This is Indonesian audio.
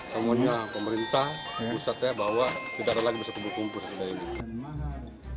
semuanya pemerintah pusatnya bahwa tidak ada lagi bisa kumpul kumpul